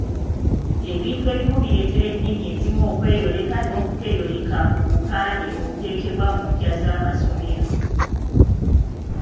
Ebintu ebimu bireetera ennimi ezimu okweyoleka n'obuteeyoleka ku bupande obuteekebwa mu mpya z'amasomero.